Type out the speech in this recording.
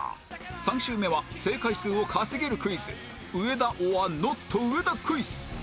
３周目は正解数を稼げるクイズ上田 ｏｒＮＯＴ 上田クイズ